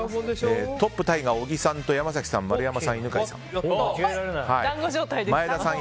トップタイが小木さん山崎さん、丸山さん、犬飼さん。